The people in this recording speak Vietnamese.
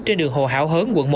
trên đường hồ hảo hớn quận một